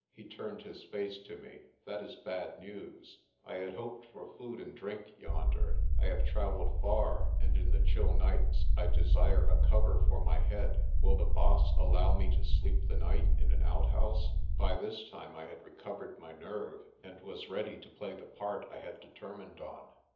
He turned his face to me. "That is bad news. I had hoped for food and drink yonder. I have travelled far and in the chill nights I desire a cover for my head. Will the Baas allow me to sleep the night in an outhouse?' By this time I had recovered my nerve and was ready to play the part I had determined on.